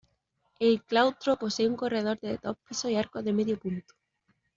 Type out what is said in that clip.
El claustro posee un corredor de dos pisos y arcos de medio punto.